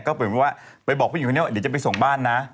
ก็เหมือนว่าไปบอกผู้หญิงคนนี้ว่าเดี๋ยวจะไปส่งบ้านนะ